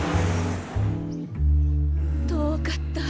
遠かった。